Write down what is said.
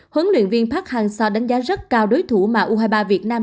huấn luyện viên park hang seo đánh giá rất cao đối thủ mà u hai mươi ba việt nam